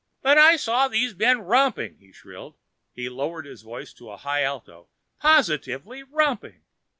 "But I saw these men romping," he shrilled. He lowered his voice to a high alto. "Positively romping!"